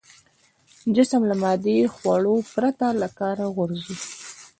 جسم له مادي خوړو پرته له کاره غورځي.